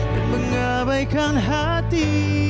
dan mengabaikan hati